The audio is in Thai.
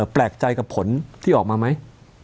แปลกใจกับผลที่ออกมาไหม